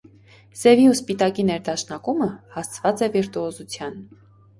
Սևի ու սպիտակի ներդաշնակումը հասցված է վիրտուոզության։